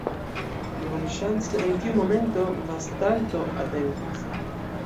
Bonŝance, en tiu momento Vastalto atentis.